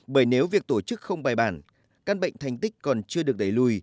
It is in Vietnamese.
bởi nếu việc tổ chức không bài bản căn bệnh thành tích còn chưa được đẩy lùi